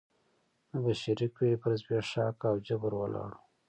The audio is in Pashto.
د بشري قوې پر زبېښاک او جبر ولاړ و.